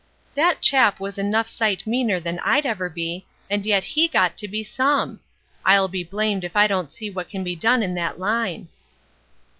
"That chap was enough sight meaner than I'd ever be, and yet he got to be some! I'll be blamed if I don't see what can be done in that line!"